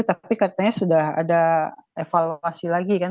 tapi katanya sudah ada evaluasi lagi kan